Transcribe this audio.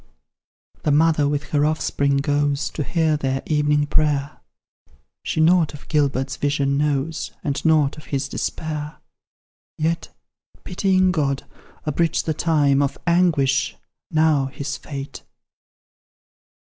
The mother with her offspring goes To hear their evening prayer; She nought of Gilbert's vision knows, And nought of his despair. Yet, pitying God, abridge the time Of anguish, now his fate!